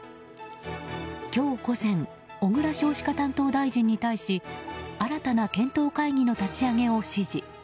今日午前小倉少子化担当大臣に対し新たな検討会議の立ち上げを指示。